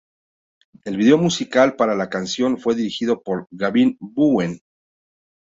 El video musical para la canción fue dirigido por Gavin Bowden.